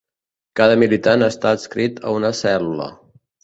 Cada militant està adscrit a una cèl·lula.